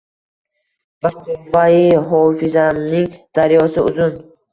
Va quvvai hofizamning daryosi uzun